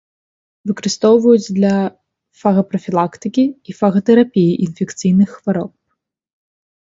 Выкарыстоўваюць для фагапрафілактыкі і фагатэрапіі інфекцыйных хвароб.